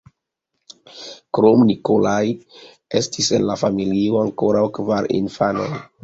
Krom Nikolaj estis en la familio ankoraŭ kvar infanoj.